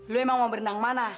lo emang mau berenang mana